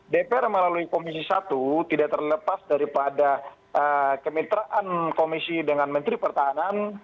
dpr melalui komisi satu tidak terlepas daripada kemitraan komisi dengan menteri pertahanan